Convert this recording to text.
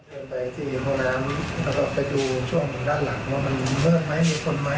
เข้าไปดูช่วงด้านหลังมันมืดมั้ยมีคนมั้ย